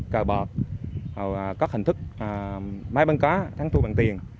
cờ bọt có hình thức máy băng cá thắng thua bằng tiền